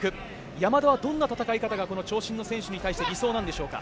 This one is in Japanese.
山田はどんな戦い方が長身の選手に対して理想的でしょうか。